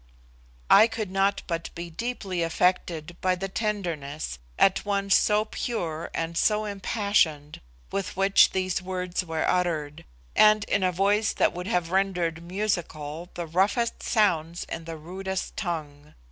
I could not but be deeply affected by the tenderness, at once so pure and so impassioned, with which these words were uttered, and in a voice that would have rendered musical the roughest sounds in the rudest tongue.